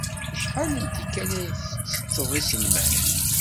Acḥal n tikkal ay tettetteḍ iselman?